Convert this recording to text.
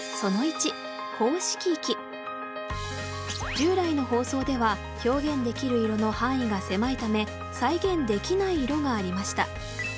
従来の放送では表現できる色の範囲が狭いため再現できない色がありました。